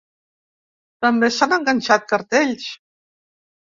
També s’han enganxat cartells.